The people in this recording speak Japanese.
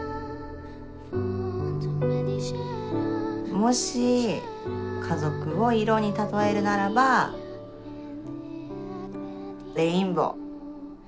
もし家族を色に例えるならばレインボー。